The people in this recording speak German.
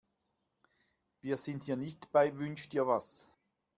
Wir sind hier nicht bei Wünsch-dir-was.